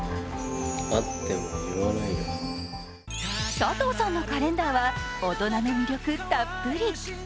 佐藤さんのカレンダーは大人の魅力たっぷり。